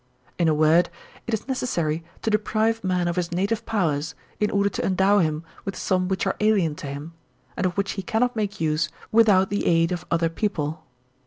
In a word, it is necessary to deprive man of his native pow ers in order to endow him with some which are alien to him, and of which he cannot make use without the aid (34) THE LEGISLATOR 3$ of other people.